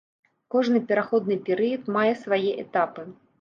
Кожны пераходны перыяд мае свае этапы.